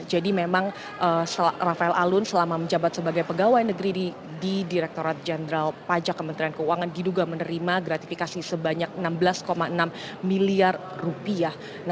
jadi memang rafael alun selama menjabat sebagai pegawai negeri di direkturat jenderal pajak kementerian keuangan diduga menerima gratifikasi sebanyak enam belas enam miliar rupiah